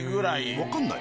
分かんない。